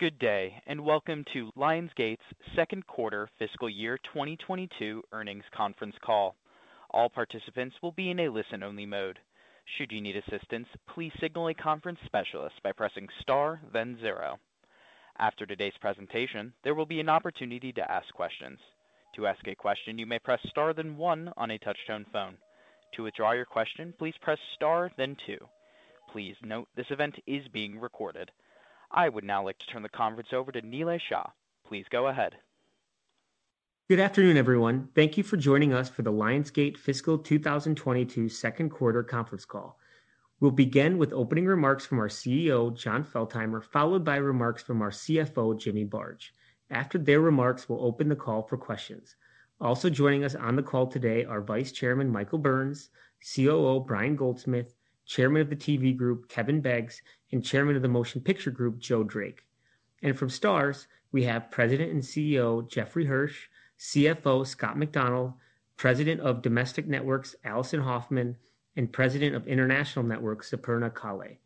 Good day, and welcome to Lionsgate's second quarter fiscal year 2022 earnings conference call. All participants will be in a listen-only mode. Should you need assistance, please signal a conference specialist by pressing star then zero. After today's presentation, there will be an opportunity to ask questions. To ask a question, you may press star then one on a touch-tone phone. To withdraw your question, please press star then two. Please note this event is being recorded. I would now like to turn the conference over to Nilay Shah. Please go ahead. Good afternoon, everyone. Thank you for joining us for the Lionsgate Fiscal 2022 second quarter conference call. We'll begin with opening remarks from our CEO, Jon Feltheimer, followed by remarks from our CFO, Jimmy Barge. After their remarks, we'll open the call for questions. Also joining us on the call today are Vice Chairman Michael Burns, COO Brian Goldsmith, Chairman of the TV Group Kevin Beggs, and Chairman of the Motion Picture Group Joe Drake. From Starz, we have President and CEO Jeffrey Hirsch, CFO Scott MacDonald, President of Domestic Networks Alison Hoffman, and President of International Networks Superna Kalle.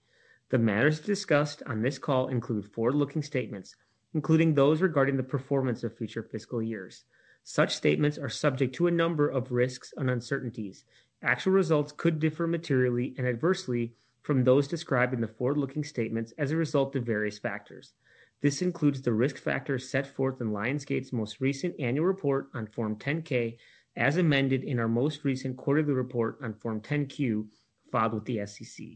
The matters discussed on this call include forward-looking statements, including those regarding the performance of future fiscal years. Such statements are subject to a number of risks and uncertainties. Actual results could differ materially and adversely from those described in the forward-looking statements as a result of various factors. This includes the risk factors set forth in Lionsgate's most recent annual report on Form 10-K, as amended in our most recent quarterly report on Form 10-Q filed with the SEC.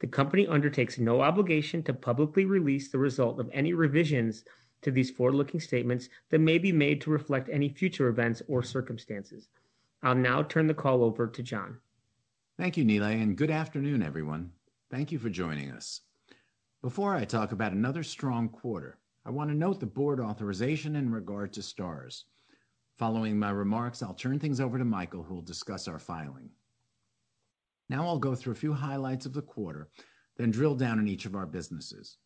The company undertakes no obligation to publicly release the result of any revisions to these forward-looking statements that may be made to reflect any future events or circumstances. I'll now turn the call over to Jon. Thank you, Nilay, and good afternoon, everyone. Thank you for joining us. Before I talk about another strong quarter, I wanna note the board authorization in regard to Starz. Following my remarks, I'll turn things over to Michael, who will discuss our filing. Now I'll go through a few highlights of the quarter, then drill down in each of our businesses.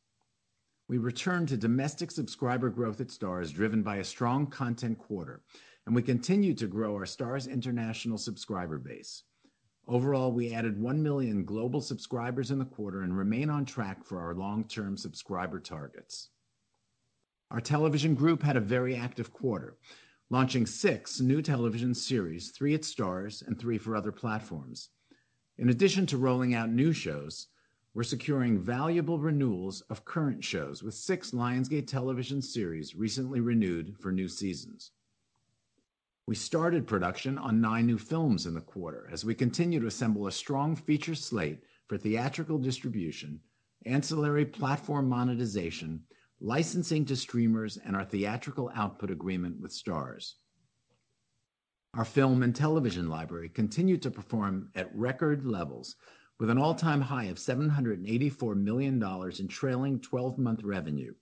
We return to domestic subscriber growth at Starz, driven by a strong content quarter, and we continue to grow our Starz international subscriber base. Overall, we added 1 million global subscribers in the quarter and remain on track for our long-term subscriber targets. Our Television Group had a very active quarter, launching six new television series, three at Starz and three for other platforms. In addition to rolling out new shows, we're securing valuable renewals of current shows with six Lionsgate Television series recently renewed for new seasons. We started production on nine new films in the quarter as we continue to assemble a strong feature slate for theatrical distribution, ancillary platform monetization, licensing to streamers, and our theatrical output agreement with Starz. Our film and television library continued to perform at record levels with an all-time high of $784 million in trailing twelve-month revenue.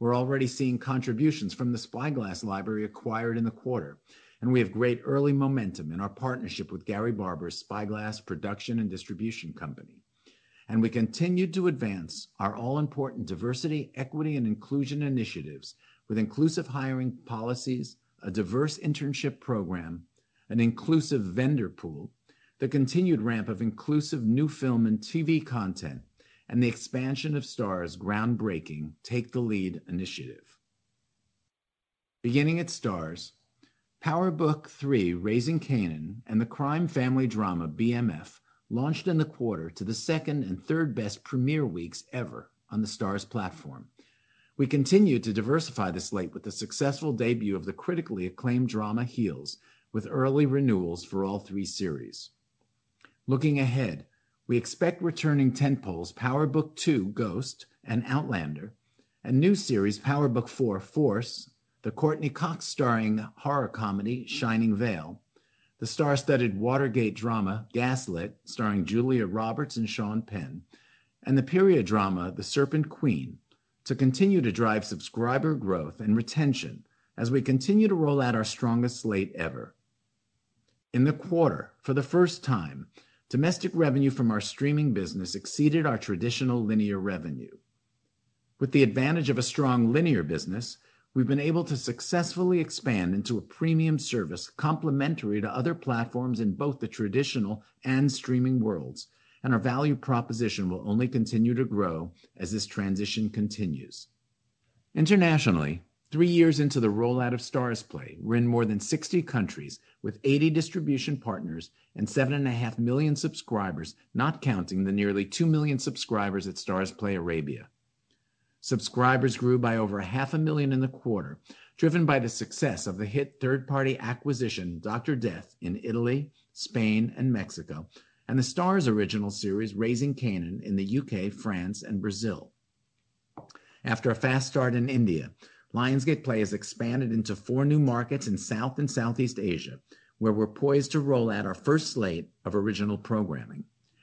We're already seeing contributions from the Spyglass library acquired in the quarter, and we have great early momentum in our partnership with Gary Barber's Spyglass production and distribution company. We continue to advance our all-important diversity, equity, and inclusion initiatives with inclusive hiring policies, a diverse internship program, an inclusive vendor pool, the continued ramp of inclusive new film and TV content, and the expansion of Starz groundbreaking Take the Lead initiative. Beginning at Starz, Power Book III: Raising Kanan and the crime family drama BMF launched in the quarter to the second and third best premiere weeks ever on the Starz platform. We continue to diversify the slate with the successful debut of the critically acclaimed drama Heels, with early renewals for all three series. Looking ahead, we expect returning tentpoles Power Book II: Ghost and Outlander and new series Power Book IV: Force, the Courteney Cox-starring horror comedy Shining Vale, the star-studded Watergate drama Gaslit starring Julia Roberts and Sean Penn, and the period drama The Serpent Queen to continue to drive subscriber growth and retention as we continue to roll out our strongest slate ever. In the quarter, for the first time, domestic revenue from our streaming business exceeded our traditional linear revenue. With the advantage of a strong linear business, we've been able to successfully expand into a premium service complementary to other platforms in both the traditional and streaming worlds, and our value proposition will only continue to grow as this transition continues. Internationally, three years into the rollout of Starzplay, we're in more than 60 countries with 80 distribution partners and 7.5 million subscribers, not counting the nearly 2 million subscribers at Starzplay Arabia. Subscribers grew by over 0.5 million in the quarter, driven by the success of the hit third-party acquisition Dr. Death in Italy, Spain, and Mexico, and the Starz original series Raising Kanan in the U.K., France, and Brazil. After a fast start in India, Lionsgate Play has expanded into four new markets in South and Southeast Asia, where we're poised to roll out our first slate of original programming.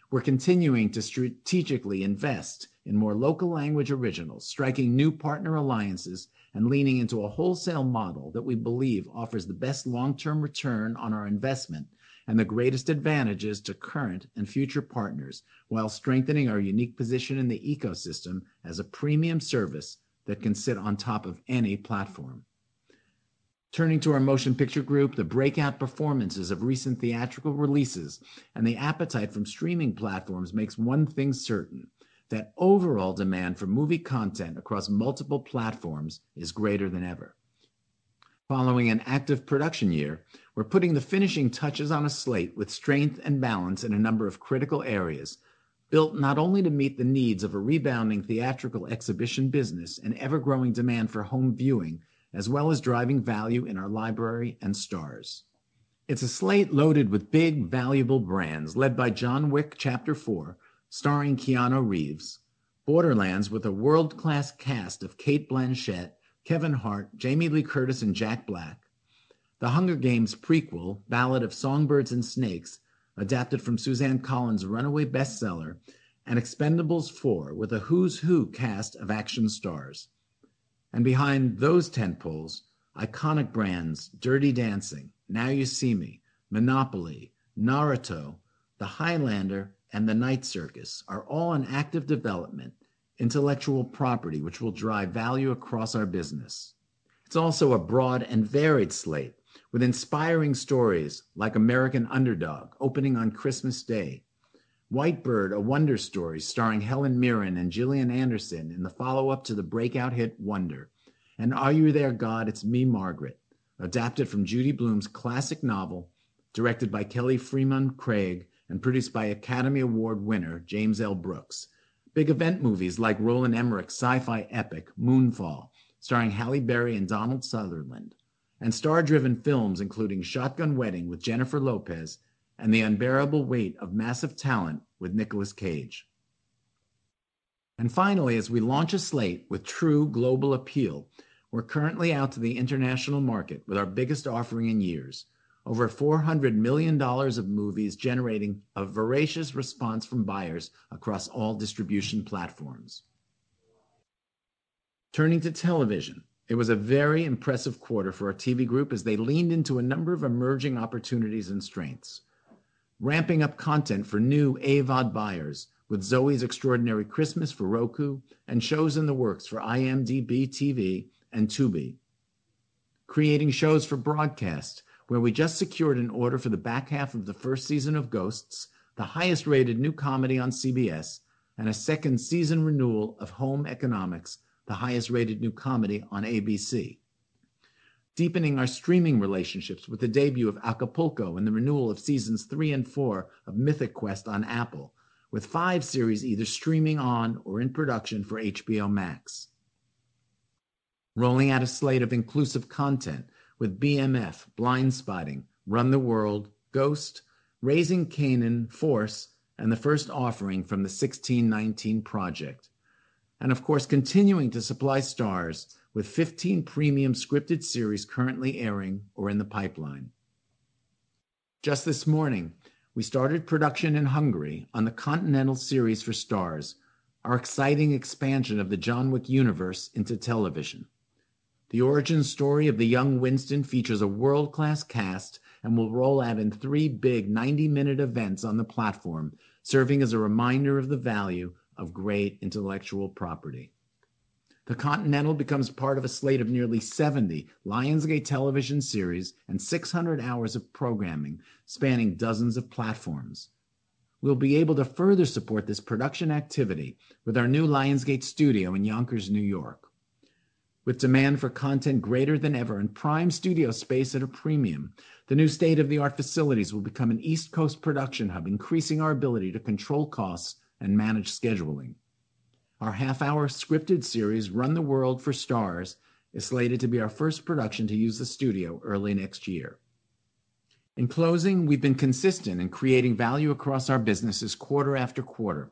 We're continuing to strategically invest in more local language originals, striking new partner alliances, and leaning into a wholesale model that we believe offers the best long-term return on our investment and the greatest advantages to current and future partners while strengthening our unique position in the ecosystem as a premium service that can sit on top of any platform. Turning to our Motion Picture Group, the breakout performances of recent theatrical releases and the appetite from streaming platforms makes one thing certain, that overall demand for movie content across multiple platforms is greater than ever. Following an active production year, we're putting the finishing touches on a slate with strength and balance in a number of critical areas, built not only to meet the needs of a rebounding theatrical exhibition business and ever-growing demand for home viewing, as well as driving value in our library and Starz. It's a slate loaded with big, valuable brands led by John Wick: Chapter 4, starring Keanu Reeves, Borderlands, with a world-class cast of Cate Blanchett, Kevin Hart, Jamie Lee Curtis, and Jack Black, The Hunger Games prequel, The Ballad of Songbirds & Snakes, adapted from Suzanne Collins' runaway bestseller, and Expend4bles, with a who's who cast of action stars. Behind those tentpoles, iconic brands Dirty Dancing, Now You See Me, Monopoly, Naruto, The Highlander, and The Night Circus are all in active development, intellectual property which will drive value across our business. It's also a broad and varied slate with inspiring stories like American Underdog, opening on Christmas Day, White Bird: A Wonder Story, starring Helen Mirren and Gillian Anderson in the follow-up to the breakout hit Wonder, and Are You There, God? It's Me, Margaret, adapted from Judy Blume's classic novel, directed by Kelly Fremon Craig, and produced by Academy Award winner James L. Brooks. Big event movies like Roland Emmerich's sci-fi epic Moonfall, starring Halle Berry and Donald Sutherland. Star-driven films including Shotgun Wedding with Jennifer Lopez and The Unbearable Weight of Massive Talent with Nicolas Cage. Finally, as we launch a slate with true global appeal, we're currently out to the international market with our biggest offering in years, over $400 million of movies generating a voracious response from buyers across all distribution platforms. Turning to television, it was a very impressive quarter for our TV group as they leaned into a number of emerging opportunities and strengths. Ramping up content for new AVOD buyers with Zoey's Extraordinary Christmas for Roku and shows in the works for IMDb TV and Tubi. Creating shows for broadcast, where we just secured an order for the back half of the first season of Ghosts, the highest-rated new comedy on CBS, and a second season renewal of Home Economics, the highest-rated new comedy on ABC. Deepening our streaming relationships with the debut of Acapulco and the renewal of seasons 3 and 4 of Mythic Quest on Apple, with 5 series either streaming on or in production for HBO Max. Rolling out a slate of inclusive content with BMF, Blindspotting, Run the World, Ghost, Raising Kanan, Force, and the first offering from the 1619 Project. Of course, continuing to supply Starz with 15 premium scripted series currently airing or in the pipeline. Just this morning, we started production in Hungary on The Continental series for Starz, our exciting expansion of the John Wick universe into television. The origin story of the young Winston features a world-class cast and will roll out in three big 90-minute events on the platform, serving as a reminder of the value of great intellectual property. The Continental becomes part of a slate of nearly 70 Lionsgate television series and 600 hours of programming spanning dozens of platforms. We'll be able to further support this production activity with our new Lionsgate studio in Yonkers, New York. With demand for content greater than ever and prime studio space at a premium, the new state-of-the-art facilities will become an East Coast production hub, increasing our ability to control costs and manage scheduling. Our half-hour scripted series, Run the World for Starz, is slated to be our first production to use the studio early next year. In closing, we've been consistent in creating value across our businesses quarter after quarter.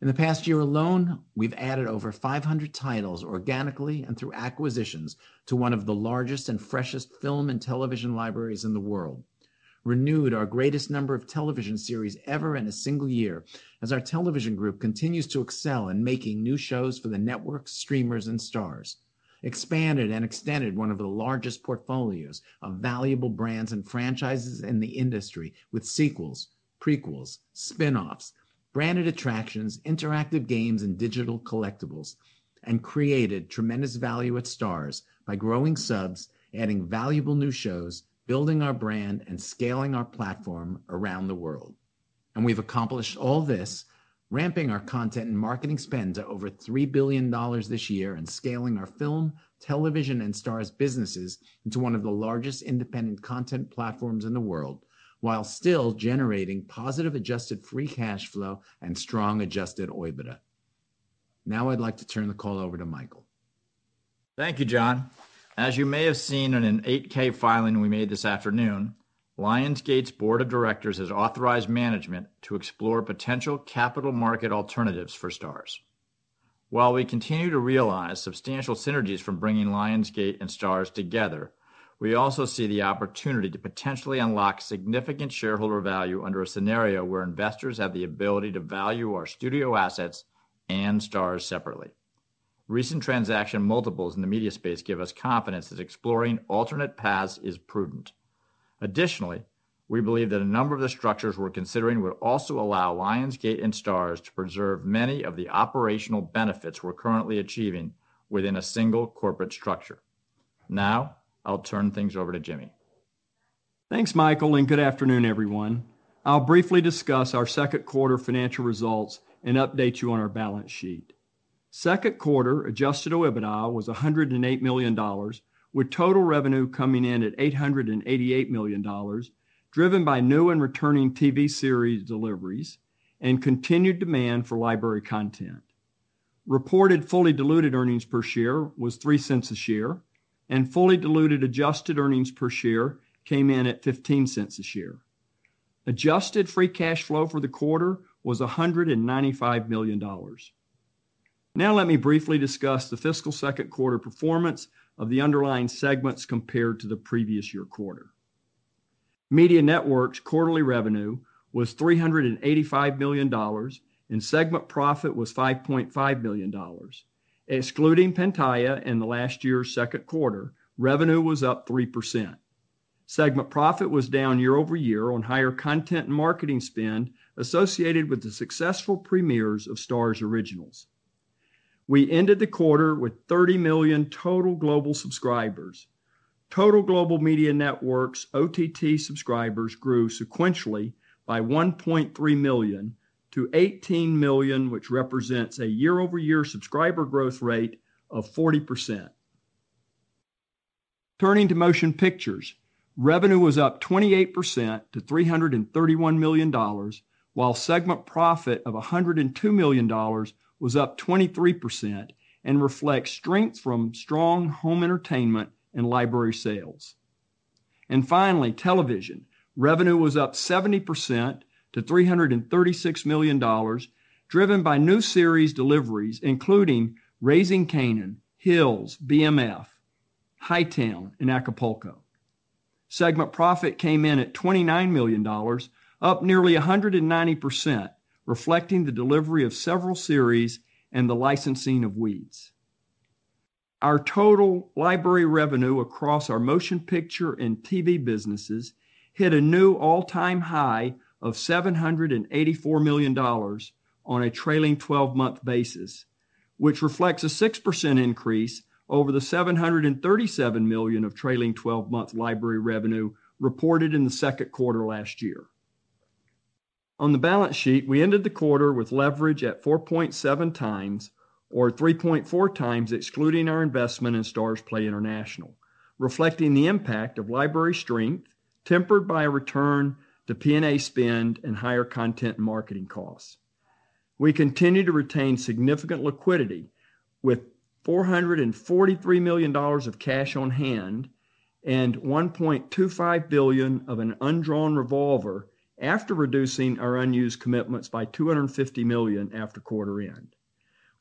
In the past year alone, we've added over 500 titles organically and through acquisitions to one of the largest and freshest film and television libraries in the world. Renewed our greatest number of television series ever in a single year as our Television Group continues to excel in making new shows for the network, streamers, and Starz. Expanded and extended one of the largest portfolios of valuable brands and franchises in the industry with sequels, prequels, spin-offs, branded attractions, interactive games, and digital collectibles. Created tremendous value at Starz by growing subs, adding valuable new shows, building our brand, and scaling our platform around the world. We've accomplished all this ramping our content and marketing spend to over $3 billion this year and scaling our film, television, and Starz businesses into one of the largest independent content platforms in the world, while still generating positive adjusted free cash flow and strong Adjusted OIBDA. Now I'd like to turn the call over to Michael. Thank you, Jon. As you may have seen in an 8-K filing we made this afternoon, Lionsgate's Board of Directors has authorized management to explore potential capital market alternatives for Starz. While we continue to realize substantial synergies from bringing Lionsgate and Starz together, we also see the opportunity to potentially unlock significant shareholder value under a scenario where investors have the ability to value our studio assets and Starz separately. Recent transaction multiples in the media space give us confidence that exploring alternate paths is prudent. Additionally, we believe that a number of the structures we're considering would also allow Lionsgate and Starz to preserve many of the operational benefits we're currently achieving within a single corporate structure. Now, I'll turn things over to Jimmy. Thanks, Michael, and good afternoon, everyone. I'll briefly discuss our second quarter financial results and update you on our balance sheet. Second quarter adjusted OIBDA was $108 million, with total revenue coming in at $888 million, driven by new and returning TV series deliveries and continued demand for library content. Reported fully diluted earnings per share was $0.3 a share, and fully diluted adjusted earnings per share came in at $0.15 a share. Adjusted free cash flow for the quarter was $195 million. Now let me briefly discuss the fiscal second quarter performance of the underlying segments compared to the previous year quarter. Media Networks quarterly revenue was $385 million, and segment profit was $5.5 million. Excluding Pantaya in the last year's second quarter, revenue was up 3%. Segment profit was down year-over-year on higher content and marketing spend associated with the successful premieres of Starz originals. We ended the quarter with 30 million total global subscribers. Total global Media Networks OTT subscribers grew sequentially by 1.3 million-18 million, which represents a year-over-year subscriber growth rate of 40%. Turning to Motion Pictures, revenue was up 28% to $331 million, while segment profit of $102 million was up 23% and reflects strength from strong home entertainment and library sales. Finally, Television. Revenue was up 70% to $336 million, driven by new series deliveries, including Raising Kanan, Heels, BMF, Hightown, and Acapulco. Segment profit came in at $29 million, up nearly 190%, reflecting the delivery of several series and the licensing of Weeds. Our total library revenue across our Motion Picture and TV businesses hit a new all-time high of $784 million on a trailing twelve-month basis, which reflects a 6% increase over the $737 million of trailing twelve-month library revenue reported in the second quarter last year. On the balance sheet, we ended the quarter with leverage at 4.7 times or 3.4 times, excluding our investment in Starzplay International, reflecting the impact of library strength, tempered by a return to P&A spend and higher content marketing costs. We continue to retain significant liquidity with $443 million of cash on hand and $1.25 billion of an undrawn revolver after reducing our unused commitments by $250 million after quarter end.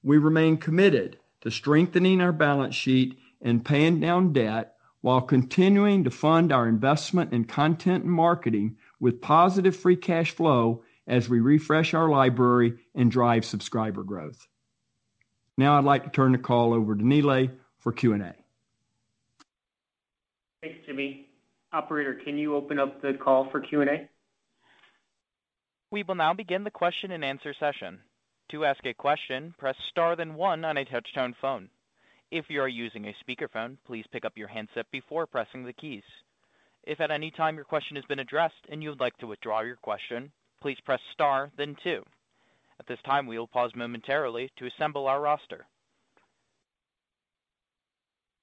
We remain committed to strengthening our balance sheet and paying down debt while continuing to fund our investment in content and marketing with positive free cash flow as we refresh our library and drive subscriber growth. Now I'd like to turn the call over to Nilay for Q&A. Thanks, Jimmy. Operator, can you open up the call for Q&A? We will now begin the question-and-answer session. To ask a question, press star, then one on a touch-tone phone. If you are using a speakerphone, please pick up your handset before pressing the keys. If at any time your question has been addressed and you would like to withdraw your question, please press star, then two. At this time, we will pause momentarily to assemble our roster.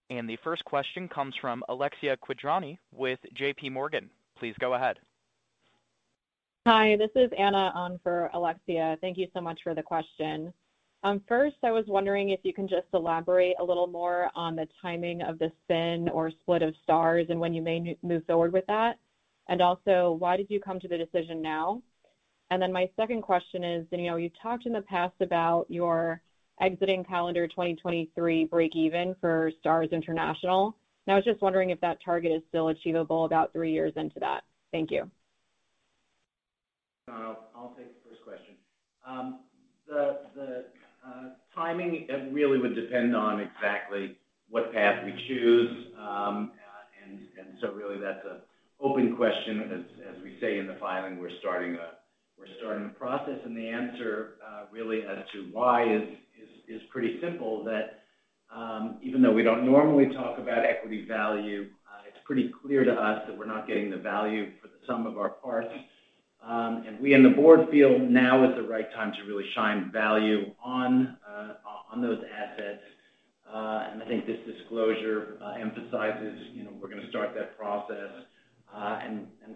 The first question comes from Alexia Quadrani with J.P. Morgan. Please go ahead. Hi, this is Anna on for Alexia. Thank you so much for the question. First, I was wondering if you can just elaborate a little more on the timing of the spin or split of Starz and when you may move forward with that. Also, why did you come to the decision now? Then my second question is, you know, you talked in the past about your exiting calendar 2023 break even for Starz International. And I was just wondering if that target is still achievable about three years into that. Thank you. I'll take the first question. The timing, it really would depend on exactly what path we choose. So really that's an open question. As we say in the filing, we're starting a process. The answer really as to why is pretty simple that even though we don't normally talk about equity value, it's pretty clear to us that we're not getting the value for the sum of our parts. We in the board feel now is the right time to really shine value on those assets. I think this disclosure emphasizes, you know, we're gonna start that process.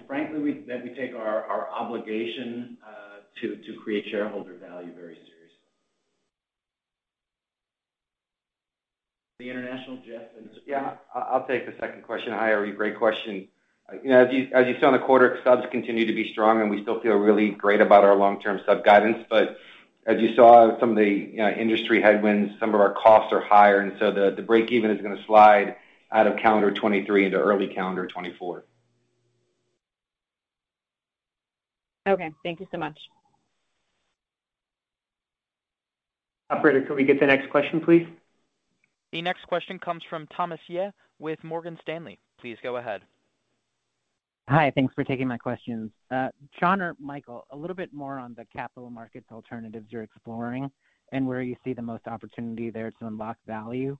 Frankly, that we take our obligation to create shareholder value very seriously. The international, Jeff- Yeah, I'll take the second question. Hi, Anna. Great question. You know, as you saw in the quarter, subs continue to be strong, and we still feel really great about our long-term sub guidance. As you saw some of the, you know, industry headwinds, some of our costs are higher, and so the break even is gonna slide out of calendar 2023 into early calendar 2024. Okay. Thank you so much. Operator, could we get the next question, please? The next question comes from Thomas Yeh with Morgan Stanley. Please go ahead. Hi. Thanks for taking my questions. Jon or Michael, a little bit more on the capital markets alternatives you're exploring and where you see the most opportunity there to unlock value.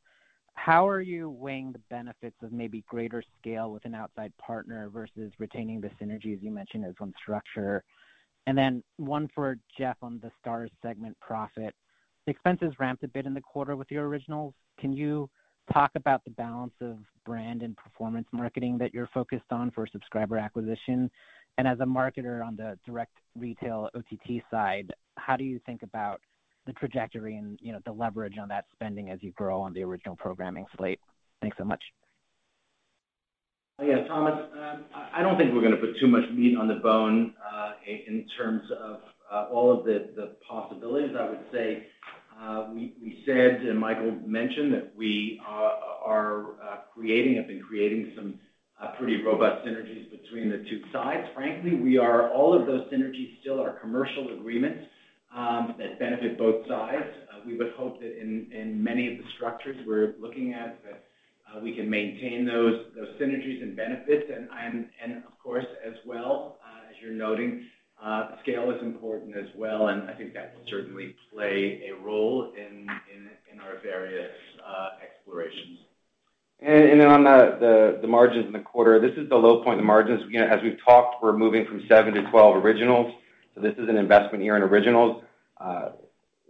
How are you weighing the benefits of maybe greater scale with an outside partner versus retaining the synergies you mentioned as one structure? One for Jeff on the Starz segment profit. Expenses ramped a bit in the quarter with your originals. Can you talk about the balance of brand and performance marketing that you're focused on for subscriber acquisition? And as a marketer on the direct retail OTT side, how do you think about the trajectory and, you know, the leverage on that spending as you grow on the original programming slate? Thanks so much. Yeah, Thomas. I don't think we're gonna put too much meat on the bone in terms of all of the possibilities. I would say we said, and Michael mentioned, that we have been creating some pretty robust synergies between the two sides. Frankly, all of those synergies still are commercial agreements that benefit both sides. We would hope that in many of the structures we're looking at that we can maintain those synergies and benefits. Of course, as well, as you're noting, scale is important as well, and I think that will certainly play a role in our various explorations. On the margins in the quarter, this is the low point of the margins. You know, as we've talked, we're moving from seven to 12 originals, so this is an investment year in originals.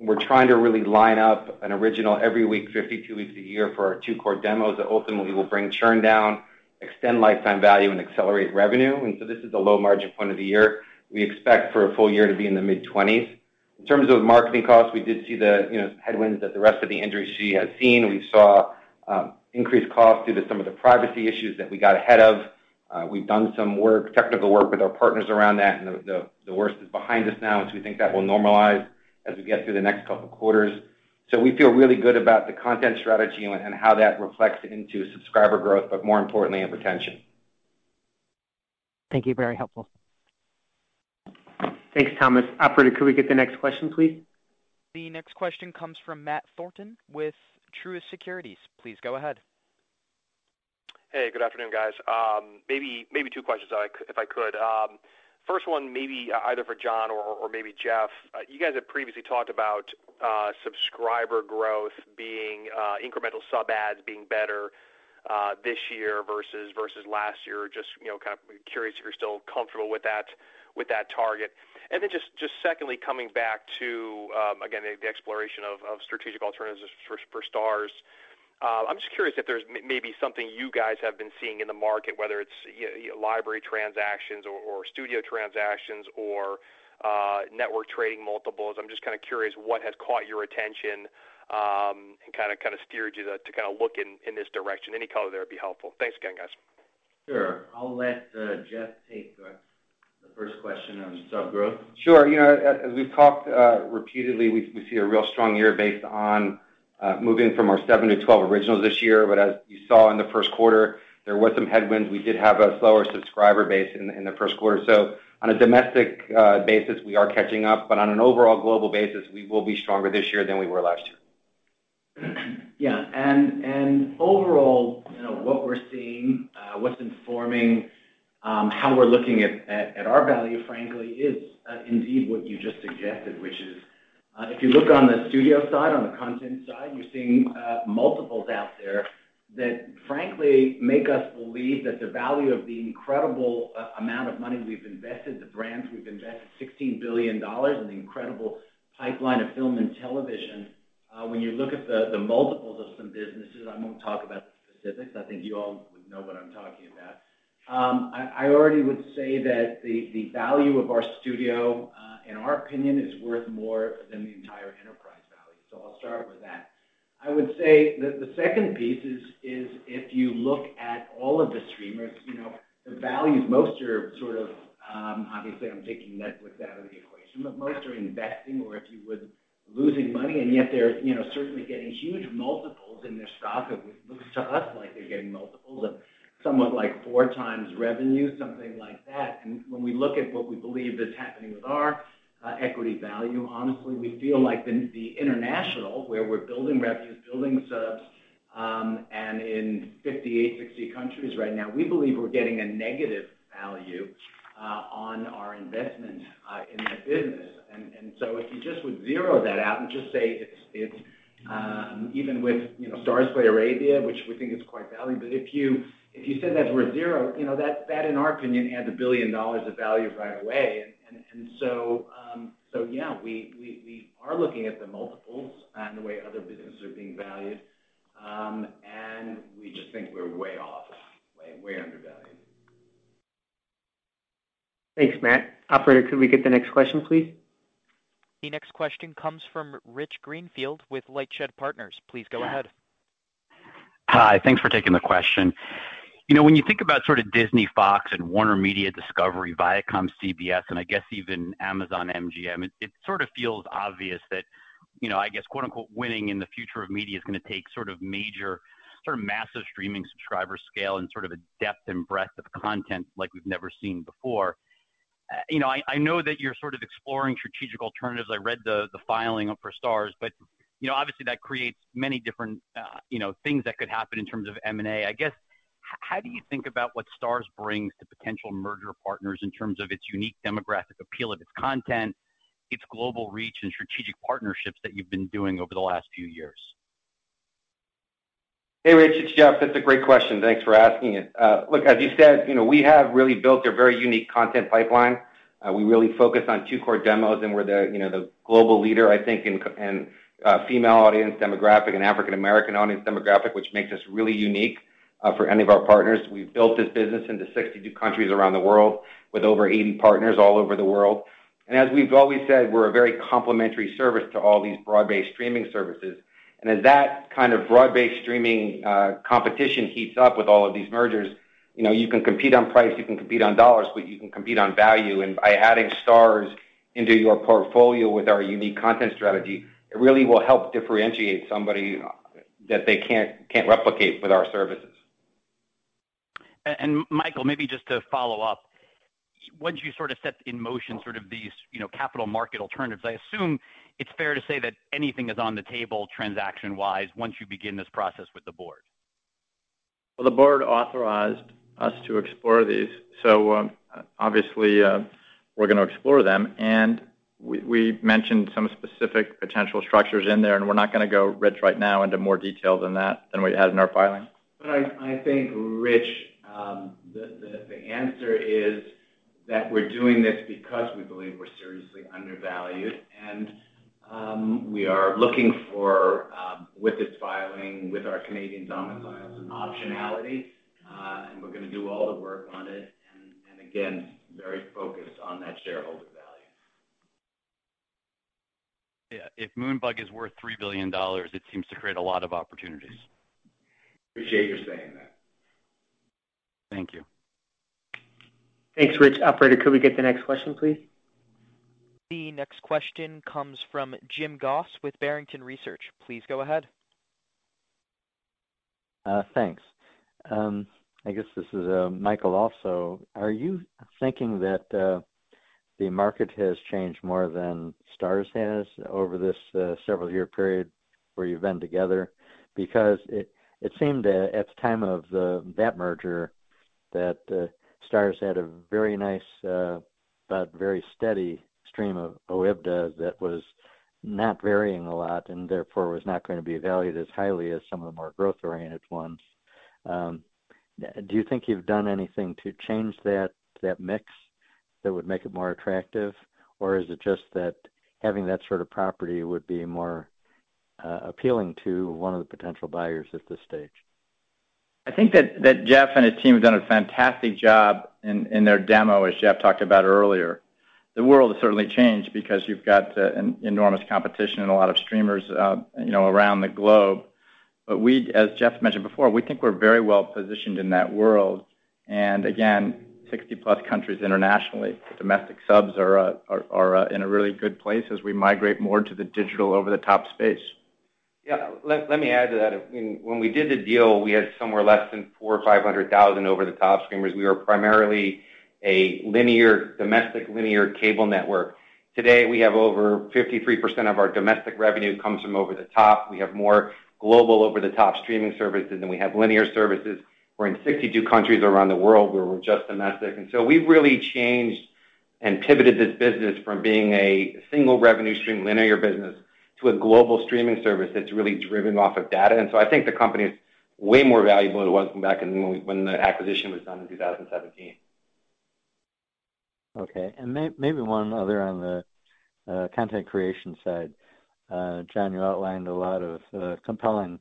We're trying to really line up an original every week, 52 weeks a year for our two core demos that ultimately will bring churn down, extend lifetime value, and accelerate revenue. This is the low margin point of the year. We expect for a full year to be in the mid-20s%. In terms of marketing costs, we did see the, you know, headwinds that the rest of the industry has seen. We saw increased costs due to some of the privacy issues that we got ahead of. We've done some work, technical work with our partners around that, and the worst is behind us now. We think that will normalize as we get through the next couple quarters. We feel really good about the content strategy and how that reflects into subscriber growth, but more importantly, in retention. Thank you. Very helpful. Thanks, Thomas. Operator, could we get the next question, please? The next question comes from Matt Thornton with Truist Securities. Please go ahead. Hey, good afternoon, guys. Maybe two questions if I could. First one maybe either for Jon or maybe Jeffrey. You guys have previously talked about subscriber growth being incremental sub adds being better this year versus last year. Just you know kind of curious if you're still comfortable with that target. Just secondly, coming back to again the exploration of strategic alternatives for Starz. I'm just curious if there's maybe something you guys have been seeing in the market, whether it's you know library transactions or studio transactions or network trading multiples. I'm just kinda curious what has caught your attention and kinda steered you to kinda look in this direction. Any color there would be helpful. Thanks again, guys. Sure. I'll let Jeffrey take the first question on sub growth. Sure. You know, as we've talked repeatedly, we see a real strong year based on moving from our seven to 12 originals this year. As you saw in the first quarter, there were some headwinds. We did have a slower subscriber base in the first quarter. On a domestic basis, we are catching up. On an overall global basis, we will be stronger this year than we were last year. Yeah. Overall, you know, what we're seeing, what's informing how we're looking at our value, frankly, is indeed what you just suggested, which is, if you look on the studio side, on the content side, you're seeing multiples out there that frankly make us believe that the value of the incredible amount of money we've invested, the brands we've invested $16 billion and the incredible pipeline of film and television, when you look at the multiples of some businesses, I won't talk about the specifics, I think you all would know what I'm talking about. I already would say that the value of our studio, in our opinion, is worth more than the entire enterprise value. I'll start with that. I would say the second piece is if you look at all of the streamers, you know, the valuations most are sort of, obviously I'm taking Netflix out of the equation, but most are investing or if you would, losing money, and yet they're, you know, certainly getting huge multiples in their stock. It looks to us like they're getting multiples of somewhat like 4x revenue, something like that. When we look at what we believe is happening with our equity value, honestly, we feel like the international, where we're building revenues, building subs, and in 58-60 countries right now, we believe we're getting a negative value on our investment in that business. If you just would zero that out and just say it's even with, you know, Starzplay Arabia, which we think is quite valuable, but if you said that's worth zero, you know, that in our opinion adds $1 billion of value right away. Yeah, we are looking at the multiples and the way other businesses are being valued. We just think we're way off, way undervalued. Thanks, Matt. Operator, could we get the next question, please? The next question comes from Rich Greenfield with LightShed Partners. Please go ahead. Hi. Thanks for taking the question. You know, when you think about sort of Disney, Fox, and Warner Bros. Discovery, ViacomCBS, and I guess even Amazon MGM, it sort of feels obvious that, you know, I guess quote-unquote winning in the future of media is gonna take sort of major sort of massive streaming subscriber scale and sort of a depth and breadth of content like we've never seen before. You know, I know that you're sort of exploring strategic alternatives. I read the filing for Starz, but, you know, obviously that creates many different, you know, things that could happen in terms of M&A. I guess, how do you think about what Starz brings to potential merger partners in terms of its unique demographic appeal of its content, its global reach and strategic partnerships that you've been doing over the last few years? Hey, Rich, it's Jeff. That's a great question. Thanks for asking it. Look, as you said, you know, we have really built a very unique content pipeline. We really focus on two core demos, and we're the, you know, the global leader, I think, in female audience demographic and African American audience demographic, which makes us really unique for any of our partners. We've built this business into 62 countries around the world with over 80 partners all over the world. As we've always said, we're a very complementary service to all these broad-based streaming services. As that kind of broad-based streaming competition heats up with all of these mergers, you know, you can compete on price, you can compete on dollars, but you can compete on value. By adding Starz into your portfolio with our unique content strategy, it really will help differentiate somebody that they can't replicate with our services. Michael, maybe just to follow up. Once you sort of set in motion sort of these, you know, capital market alternatives, I assume it's fair to say that anything is on the table transaction-wise once you begin this process with the board. Well, the board authorized us to explore these, so, obviously, we're gonna explore them. We mentioned some specific potential structures in there, and we're not gonna go, Rich, right now into more detail than that we had in our filing. I think, Rich, the answer is that we're doing this because we believe we're seriously undervalued. We are looking for, with this filing, with our Canadian domiciles an optionality, and we're gonna do all the work on it. Again, very focused on that shareholder value. Yeah. If Moonbug is worth $3 billion, it seems to create a lot of opportunities. Appreciate you saying that. Thank you. Thanks, Rich. Operator, could we get the next question, please? The next question comes from Jim Goss with Barrington Research. Please go ahead. Thanks. I guess this is Michael also. Are you thinking that the market has changed more than Starz has over this several-year period where you've been together? Because it seemed at the time of that merger that Starz had a very nice but very steady stream of OIBDAs that was not varying a lot and therefore was not gonna be valued as highly as some of the more growth-oriented ones. Do you think you've done anything to change that mix that would make it more attractive? Or is it just that having that sort of property would be more appealing to one of the potential buyers at this stage? I think that Jeff and his team have done a fantastic job in their demo, as Jeff talked about earlier. The world has certainly changed because you've got an enormous competition and a lot of streamers, you know, around the globe. But we, as Jeff mentioned before, we think we're very well-positioned in that world. Again, 60+ countries internationally. Domestic subs are in a really good place as we migrate more to the digital over-the-top space. Yeah. Let me add to that. When we did the deal, we had somewhere less than 400,000 or 500,000 over-the-top streamers. We were primarily a linear, domestic linear cable network. Today, we have over 53% of our domestic revenue comes from over the top. We have more global over-the-top streaming services than we have linear services. We're in 62 countries around the world. We were just domestic. We've really changed and pivoted this business from being a single revenue stream linear business to a global streaming service that's really driven off of data. I think the company is way more valuable than it was back in when the acquisition was done in 2017. Okay. Maybe one other on the content creation side. Jon, you outlined a lot of compelling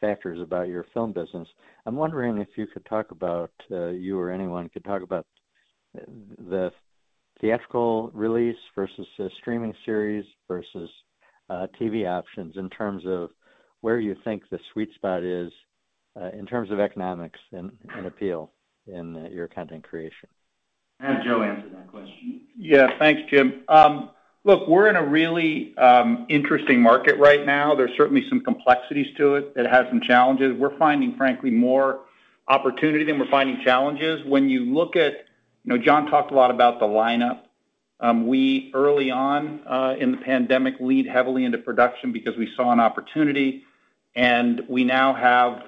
factors about your film business. I'm wondering if you could talk about you or anyone could talk about the theatrical release versus the streaming series versus TV options in terms of where you think the sweet spot is in terms of economics and appeal in your content creation. I'll have Joe answer that question. Yeah. Thanks, Jim. Look, we're in a really interesting market right now. There's certainly some complexities to it. It has some challenges. We're finding, frankly, more opportunity than we're finding challenges. When you look at, you know, Jon talked a lot about the lineup. We early on in the pandemic leaned heavily into production because we saw an opportunity, and we now have,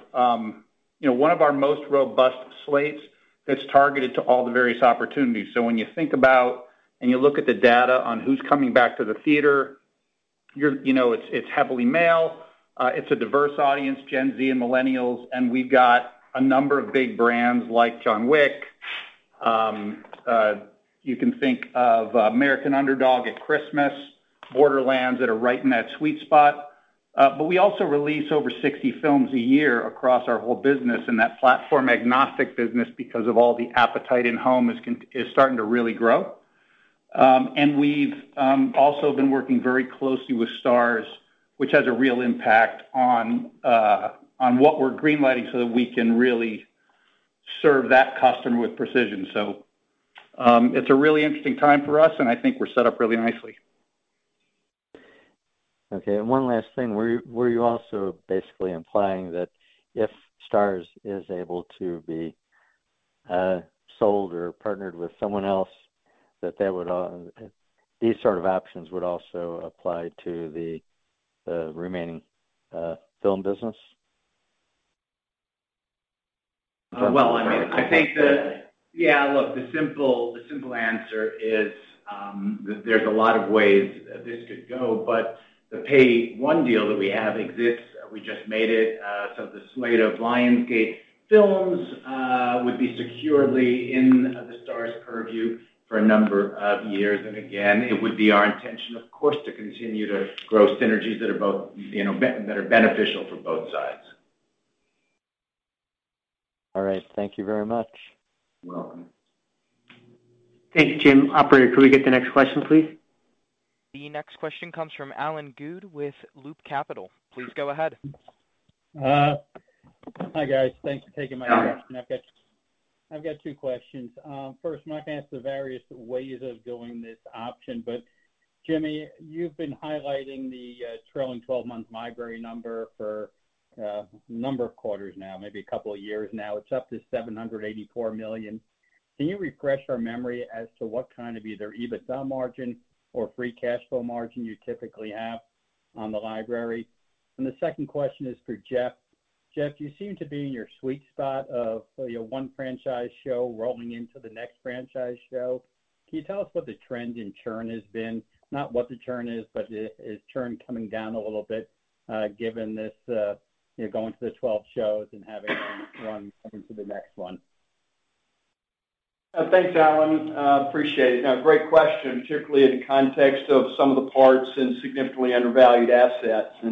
you know, one of our most robust slates that's targeted to all the various opportunities. So when you think about and you look at the data on who's coming back to the theater, you know, it's heavily male. It's a diverse audience, Gen Z and millennials, and we've got a number of big brands like John Wick. You can think of American Underdog at Christmas, Borderlands that are right in that sweet spot. We also release over 60 films a year across our whole business, and that platform-agnostic business, because of all the appetite in-home, is starting to really grow. We've also been working very closely with Starz, which has a real impact on what we're green-lighting so that we can really serve that customer with precision. It's a really interesting time for us, and I think we're set up really nicely. Okay. One last thing. Were you also basically implying that if Starz is able to be sold or partnered with someone else, these sort of options would also apply to the remaining film business? Well, I mean, I think. Yeah, look, the simple answer is that there's a lot of ways this could go, but the pay one deal that we have exists. We just made it so the slate of Lionsgate films would be securely in the Starz purview for a number of years. Again, it would be our intention, of course, to continue to grow synergies that are both, you know, that are beneficial for both sides. All right. Thank you very much. You're welcome. Thank you, Jim. Operator, could we get the next question, please? The next question comes from Alan Gould with Loop Capital. Please go ahead. Hi, guys. Thanks for taking my question. I've got two questions. First, I'm not gonna ask the various ways of going this option, but Jimmy, you've been highlighting the trailing twelve-month library number for a number of quarters now, maybe a couple of years now. It's up to $784 million. Can you refresh our memory as to what kind of either EBITDA margin or free cash flow margin you typically have on the library? The second question is for Jeff. Jeff, you seem to be in your sweet spot of your one franchise show rolling into the next franchise show. Can you tell us what the trend in churn has been? Not what the churn is, but is churn coming down a little bit, given this, you know, going to the 12 shows and having one coming to the next one? Thanks, Alan. I appreciate it. No, great question, particularly in the context of some of the parts and significantly undervalued assets. You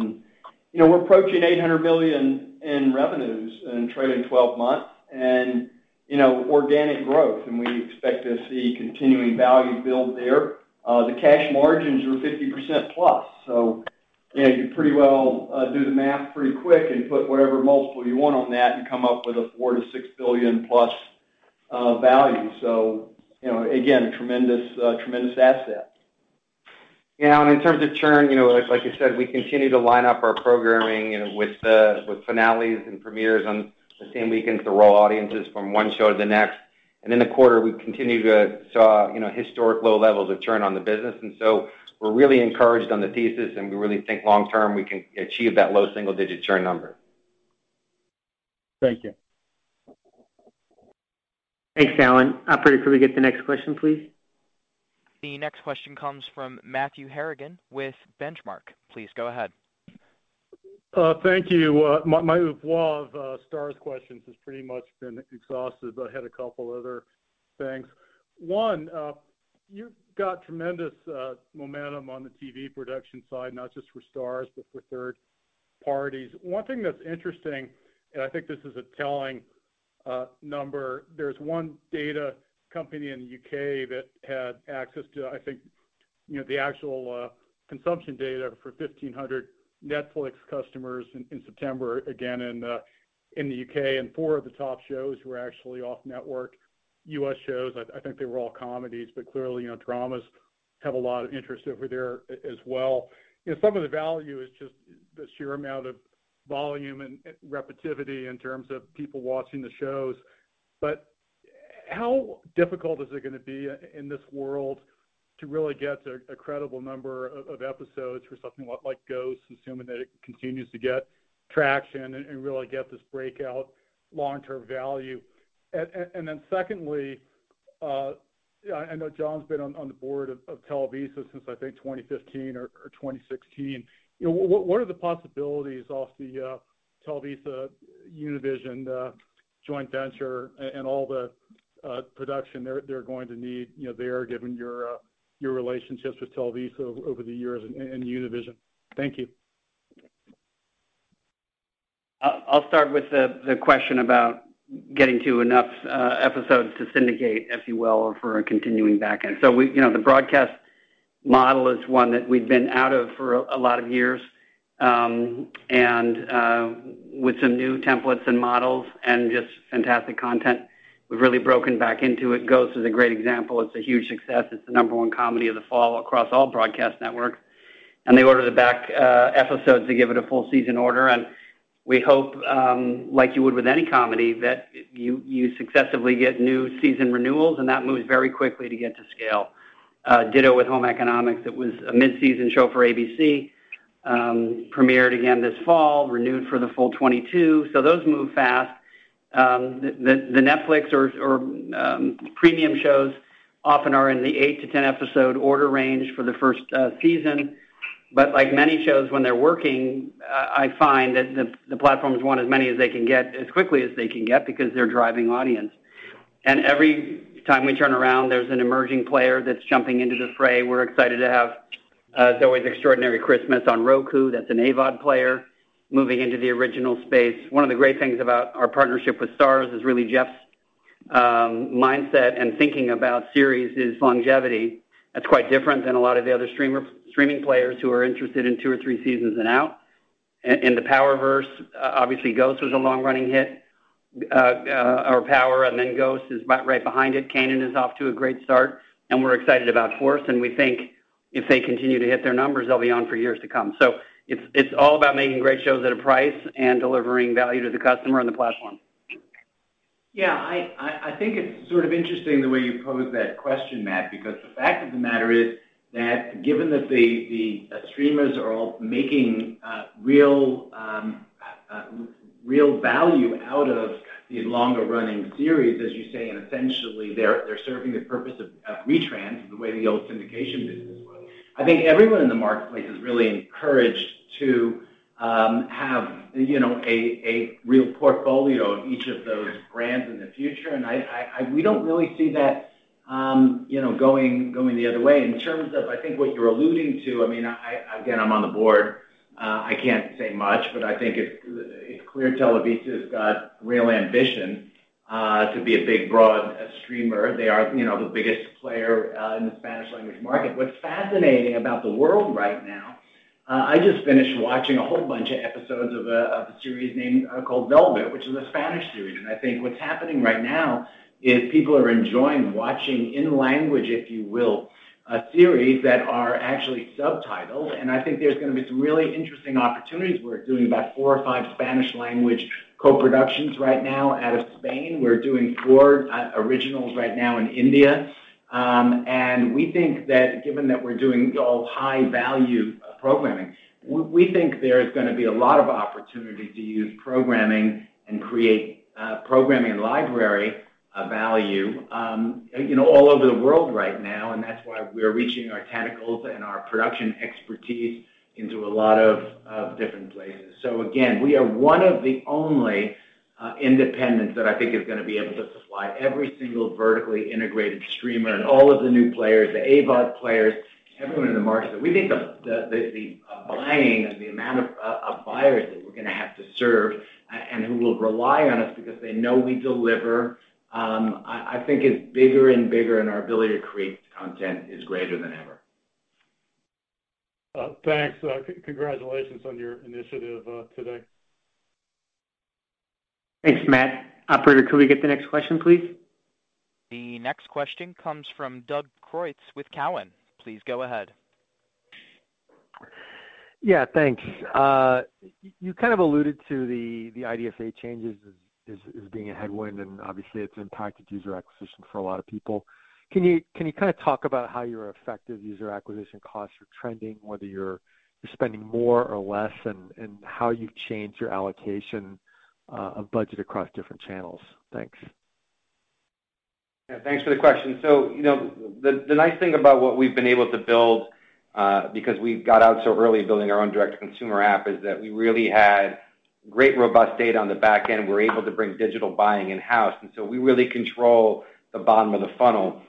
know, we're approaching $800 billion in revenues in trailing twelve months and, you know, organic growth, and we expect to see continuing value build there. The cash margins are 50% plus. So you know, you pretty well do the math pretty quick and put whatever multiple you want on that and come up with a $4 billion-$6 billion+ value. You know, again, tremendous asset. Yeah. In terms of churn, you know, like you said, we continue to line up our programming, you know, with the, with finales and premieres on the same weekend to roll audiences from one show to the next. In the quarter, we continued to see, you know, historic low levels of churn on the business. We're really encouraged on the thesis, and we really think long term, we can achieve that low single-digit churn number. Thank you. Thanks, Alan. Operator, could we get the next question, please? The next question comes from Matthew Harrigan with Benchmark. Please go ahead. Thank you. My flow of Starz questions has pretty much been exhausted. I had a couple other things. One, you've got tremendous momentum on the TV production side, not just for Starz, but for third parties. One thing that's interesting, and I think this is a telling number, there's one data company in the U.K. that had access to, I think, you know, the actual consumption data for 1,500 Netflix customers in September, again, in the U.K. Four of the top shows were actually off network U.S. shows. I think they were all comedies, but clearly, you know, dramas have a lot of interest over there as well. You know, some of the value is just the sheer amount of volume and repetitivity in terms of people watching the shows. How difficult is it gonna be in this world to really get to a credible number of episodes for something like Ghosts, assuming that it continues to get traction and really get this breakout long-term value? Secondly, I know Jon's been on the board of Televisa since, I think, 2015 or 2016. You know, what are the possibilities of the TelevisaUnivision joint venture and all the production they're going to need, you know, there, given your relationships with Televisa over the years and Univision? Thank you. I'll start with the question about getting to enough episodes to syndicate, if you will, for a continuing back end. We you know, the broadcast model is one that we've been out of for a lot of years. With some new templates and models and just fantastic content, we've really broken back into it. Ghosts is a great example. It's a huge success. It's the number one comedy of the fall across all broadcast networks. They ordered it back episodes to give it a full season order. We hope like you would with any comedy, that you successively get new season renewals, and that moves very quickly to get to scale. Ditto with Home Economics. It was a mid-season show for ABC. It premiered again this fall, renewed for the full 2022. Those move fast. The Netflix or premium shows often are in the eight to 10 episode order range for the first season. Like many shows when they're working, I find that the platforms want as many as they can get as quickly as they can get because they're driving audience. Every time we turn around, there's an emerging player that's jumping into the fray. We're excited to have Zoey's Extraordinary Christmas on Roku. That's an AVOD player moving into the original space. One of the great things about our partnership with Starz is really Jeff's mindset and thinking about series is longevity. That's quite different than a lot of the other streaming players who are interested in two or three seasons and out. In the Power verse, obviously Ghost was a long-running hit, or Power, and then Ghost is right behind it. Kanan is off to a great start, and we're excited about Force, and we think if they continue to hit their numbers, they'll be on for years to come. It's all about making great shows at a price and delivering value to the customer and the platform. Yeah. I think it's sort of interesting the way you posed that question, Matt, because the fact of the matter is that given that the streamers are all making real value out of these longer running series, as you say, and essentially they're serving the purpose of retrans the way the old syndication business was. I think everyone in the marketplace is really encouraged to have you know a real portfolio of each of those brands in the future. We don't really see that you know going the other way. In terms of what you're alluding to, I mean, again, I'm on the board. I can't say much, but I think it's clear Televisa's got real ambition to be a big broad streamer. They are, you know, the biggest player in the Spanish language market. What's fascinating about the world right now, I just finished watching a whole bunch of episodes of a series called Velvet, which is a Spanish series. I think what's happening right now is people are enjoying watching in language, if you will, series that are actually subtitled. I think there's gonna be some really interesting opportunities. We're doing about four or five Spanish language co-productions right now out of Spain. We're doing four originals right now in India. We think that given that we're doing all high value programming, we think there is gonna be a lot of opportunity to use programming and create programming library value, you know, all over the world right now, and that's why we're reaching our tentacles and our production expertise into a lot of different places. We are one of the only independents that I think is gonna be able to supply every single vertically integrated streamer and all of the new players, the AVOD players, everyone in the market. We think the buying and the amount of buyers that we're gonna have to serve and who will rely on us because they know we deliver, I think is bigger and bigger, and our ability to create content is greater than ever. Thanks. Congratulations on your initiative today. Thanks, Matt. Operator, could we get the next question, please? The next question comes from Doug Creutz with Cowen. Please go ahead. Yeah, thanks. You kind of alluded to the IDFA changes as being a headwind, and obviously it's impacted user acquisition for a lot of people. Can you kinda talk about how your effective user acquisition costs are trending, whether you're spending more or less, and how you've changed your allocation of budget across different channels? Thanks. Yeah, thanks for the question. You know, the nice thing about what we've been able to build, because we got out so early building our own direct-to-consumer app, is that we really had great robust data on the back end. We're able to bring digital buying in-house, and so we really control the bottom of the funnel.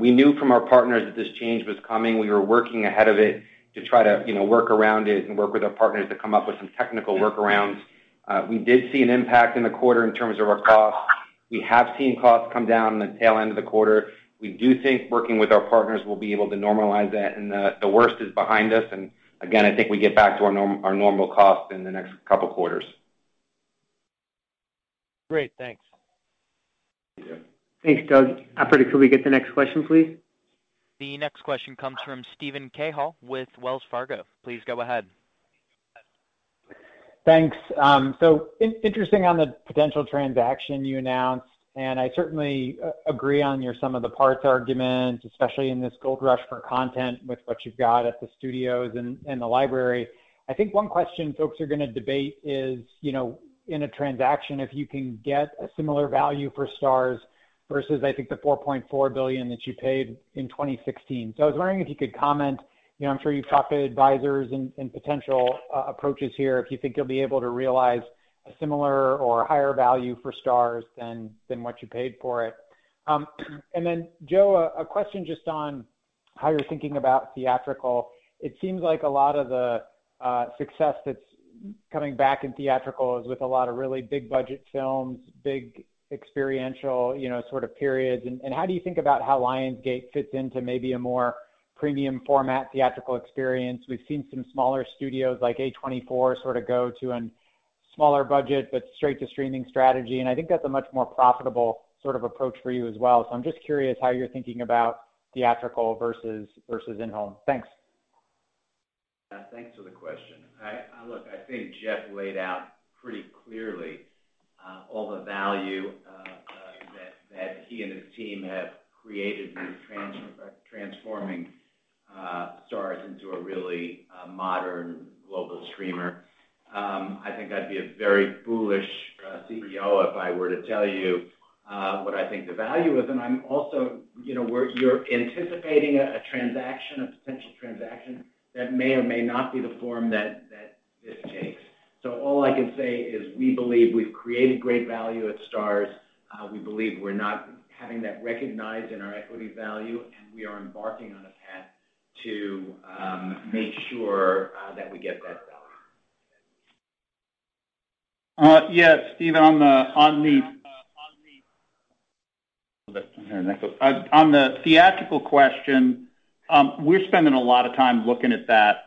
We knew from our partners that this change was coming. We were working ahead of it to try to, you know, work around it and work with our partners to come up with some technical workarounds. We did see an impact in the quarter in terms of our costs. We have seen costs come down in the tail end of the quarter. We do think working with our partners, we'll be able to normalize that and the worst is behind us. I think we get back to our normal cost in the next couple quarters. Great. Thanks. Yeah. Thanks, Doug. Operator, could we get the next question, please? The next question comes from Steven Cahall with Wells Fargo. Please go ahead. Thanks. Interesting on the potential transaction you announced, and I certainly agree on your sum of the parts argument, especially in this gold rush for content with what you've got at the studios and the library. I think one question folks are gonna debate is, you know, in a transaction if you can get a similar value for Starz versus, I think, the $4.4 billion that you paid in 2016. I was wondering if you could comment. You know, I'm sure you've talked to advisors and potential approaches here, if you think you'll be able to realize a similar or higher value for Starz than what you paid for it. Then Jon, a question just on how you're thinking about theatrical. It seems like a lot of the success that's coming back in theatrical is with a lot of really big budget films, big experiential, you know, sort of periods. How do you think about how Lionsgate fits into maybe a more premium format theatrical experience? We've seen some smaller studios like A24 sorta go to a smaller budget but straight to streaming strategy, and I think that's a much more profitable sort of approach for you as well. I'm just curious how you're thinking about theatrical versus in-home. Thanks. Thanks for the question. Look, I think Jeff laid out pretty clearly all the value that he and his team have created with transforming Starz into a really modern global streamer. I think I'd be a very foolish CEO if I were to tell you what I think the value is. I'm also you know, we're you're anticipating a transaction, a potential transaction that may or may not be the form that this takes. All I can say is we believe we've created great value at Starz. We believe we're not having that recognized in our equity value, and we are embarking on a path to make sure that we get that value. Yeah. Steve, on the On the theatrical question, we're spending a lot of time looking at that,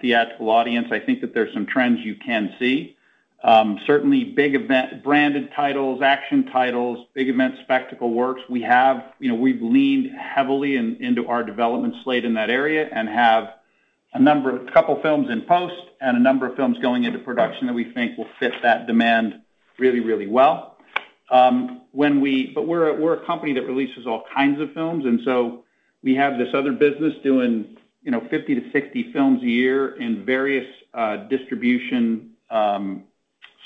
theatrical audience. I think that there's some trends you can see. Certainly big event branded titles, action titles, big event spectacle works. You know, we've leaned heavily into our development slate in that area and have a couple films in post and a number of films going into production that we think will fit that demand really, really well. We're a company that releases all kinds of films, and so we have this other business doing, you know, 50-60 films a year in various distribution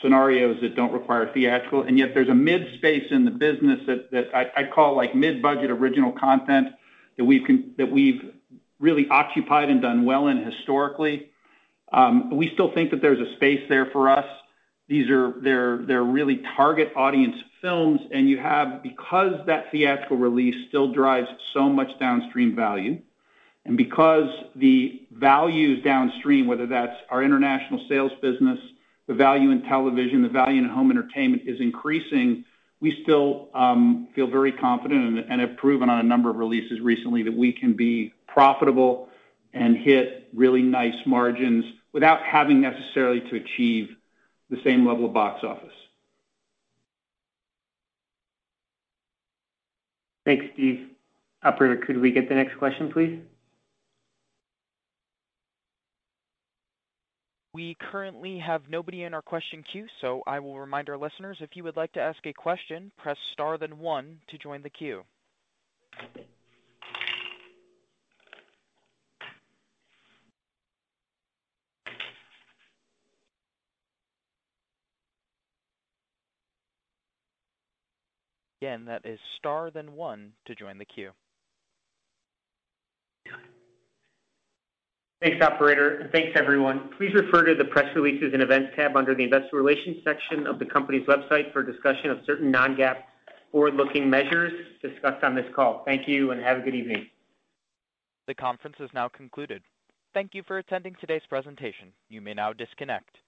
scenarios that don't require theatrical. Yet there's a mid space in the business that I call, like, mid-budget original content that we've really occupied and done well in historically. We still think that there's a space there for us. They're really target audience films. Because that theatrical release still drives so much downstream value, and because the values downstream, whether that's our international sales business, the value in television, the value in home entertainment is increasing, we still feel very confident and have proven on a number of releases recently that we can be profitable and hit really nice margins without having necessarily to achieve the same level of box office. Thanks, Steve. Operator, could we get the next question, please? We currently have nobody in our question queue, so I will remind our listeners, if you would like to ask a question, press star then one to join the queue. Again, that is star then one to join the queue. Thanks, operator. Thanks, everyone. Please refer to the press releases and events tab under the investor relations section of the company's website for a discussion of certain non-GAAP forward-looking measures discussed on this call. Thank you and have a good evening. The conference is now concluded. Thank you for attending today's presentation. You may now disconnect.